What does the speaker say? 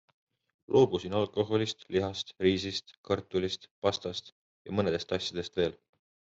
Loobusin alkoholist, lihast, riisist, kartulist, pastast ja mõnedest asjadest veel.